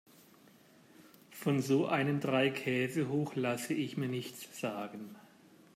Von so einem Dreikäsehoch lasse ich mir nichts sagen.